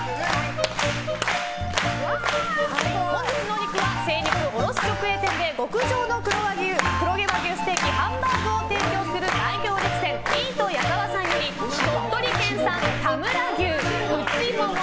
本日のお肉は精肉卸直営店で極上の黒毛和牛ステーキハンバーグを提供するミート矢澤さんより鳥取県産田村牛、内モモ